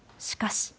しかし。